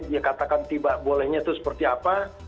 dia katakan tidak bolehnya itu seperti apa